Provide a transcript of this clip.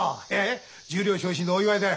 十両昇進のお祝いだよ。